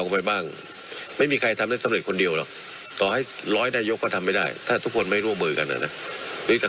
ผมเก่งที่สุด